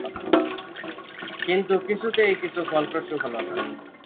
কিন্তু কিছুতেই কিছু ফলপ্রসূ হল না।